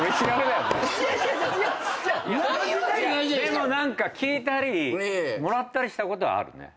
でも何か聞いたりもらったりしたことはあるね。